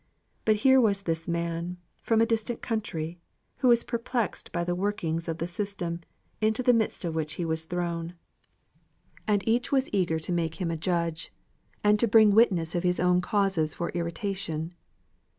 But here was this man, from a distant county, who was perplexed by the workings of a system into the midst of which he was thrown, and each was eager to make him a judge, and to bring witness of his own causes for irritation.